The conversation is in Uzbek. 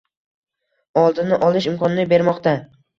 Oldini olish imkonini bermoqda